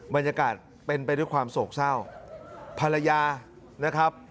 บรรยากาศเป็นไปด้วยความโศกเศร้าภรรยานะครับ